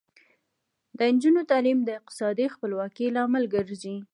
د نجونو تعلیم د اقتصادي خپلواکۍ لامل ګرځي.